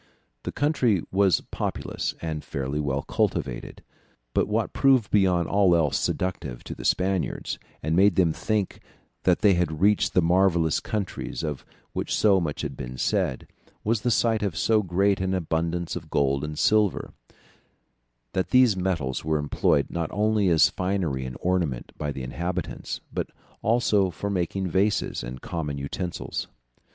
The country was populous and fairly well cultivated, but what proved beyond all else seductive to the Spaniards, and made them think that they had reached the marvellous countries of which so much had been said, was the sight of so great an abundance of gold and silver, that these metals were employed not only as finery and ornament by the inhabitants, but also for making vases and common utensils.